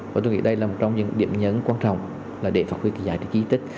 và tôi nghĩ đây là một trong những điểm nhấn quan trọng là để phát huy kỳ giải thích di tích